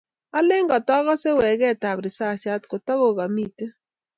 Alen katakase waget ab risasiat kotoko kamito